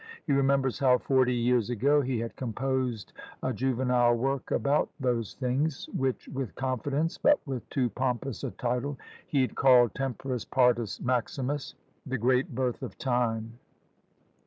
He remembers how, forty years ago, he had composed a juvenile work about those things, which with confidence, but with too pompous a title, he had called Temporis Partus Maximus; the great birth of time!